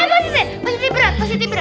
eh posisi posisi berat posisi berat